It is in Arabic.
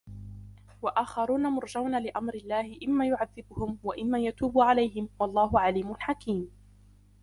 وآخرون مرجون لأمر الله إما يعذبهم وإما يتوب عليهم والله عليم حكيم